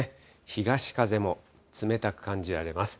東風も冷たく感じられます。